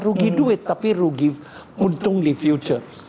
rugi duit tapi rugi untung di future